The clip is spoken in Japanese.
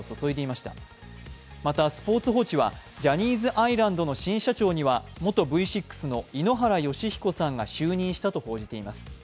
また、スポーツ報知は、ジャニーズアイランドの新社長には元Ｖ６の井ノ原快彦さんが就任したと報じています。